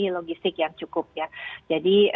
logistik yang cukup jadi